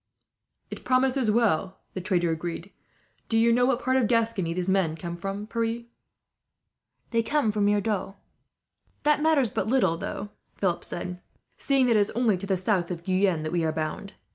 "It promises well," the trader agreed. "Do you know what part of Gascony these men come from, Pierre?" "They come from near Dax." "That matters little," Philip said, "seeing that it is only to the south of Guyenne that we are bound.